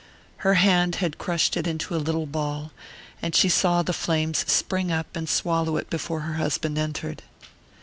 Her hand had crushed it into a little ball, and she saw the flames spring up and swallow it before her husband entered.